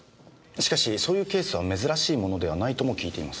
しかしそういうケースは珍しいものではないとも聞いています。